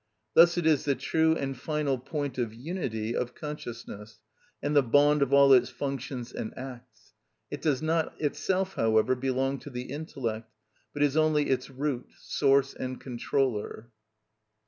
Thus it is the true and final point of unity of consciousness, and the bond of all its functions and acts; it does not itself, however, belong to the intellect, but is only its root, source, and controller.